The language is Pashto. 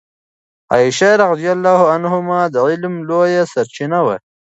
عائشه رضی الله عنها د علم لویه سرچینه وه.